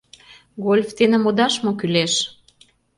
— Гольф дене модаш мо кӱлеш?